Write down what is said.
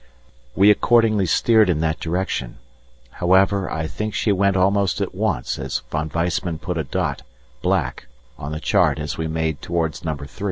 We accordingly steered in that direction. However, I think she went almost at once as Von Weissman put a dot (black) on the chart as we made towards number 3.